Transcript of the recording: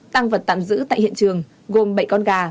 tăng vật tạm giữ tại hiện trường gồm bảy con gà